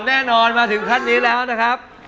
แน่นอนมาถึงขั้นนี้แล้วนะครับ